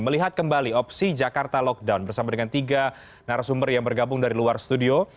melihat kembali opsi jakarta lockdown bersama dengan tiga narasumber yang bergabung dari luar studio